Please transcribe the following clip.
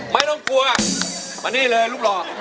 ไม่ต้องกลัวมานี่เลยรูปหล่อ